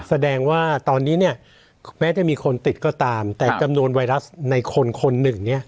แสดงว่าตอนนี้เนี่ยแม้จะมีคนติดก็ตามแต่จำนวนไวรัสในคนคนหนึ่งเนี่ย